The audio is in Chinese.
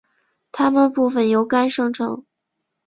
它们部分由肝生成。